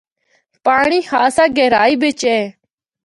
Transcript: پانڑی خاصا گہرائی بچ اے۔